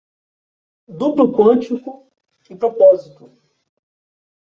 Duplo quântico e propósito